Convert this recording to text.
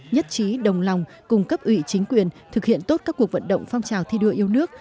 nhất trí đồng lòng cùng cấp ủy chính quyền thực hiện tốt các cuộc vận động phong trào thi đua yêu nước